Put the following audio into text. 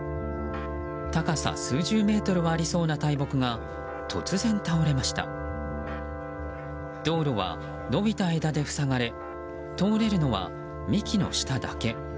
高さ数十メートルはありそうな大木が道路は伸びた枝で塞がれ通れるのは幹の下だけ。